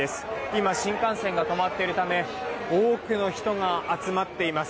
今、新幹線が止まっているため多くの人が集まっています。